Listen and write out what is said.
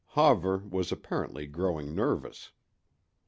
Hawver was apparently growing nervous.